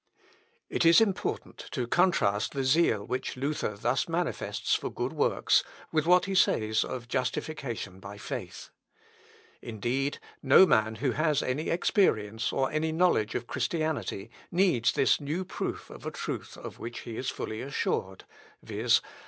It is important to contrast the zeal which Luther thus manifests for good works with what he says of justification by faith. Indeed, no man who has any experience, or any knowledge of Christianity, needs this new proof of a truth of which he is fully assured; viz.